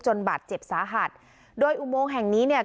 บาดเจ็บสาหัสโดยอุโมงแห่งนี้เนี่ย